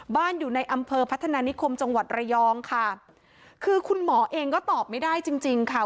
อยู่ในอำเภอพัฒนานิคมจังหวัดระยองค่ะคือคุณหมอเองก็ตอบไม่ได้จริงจริงค่ะ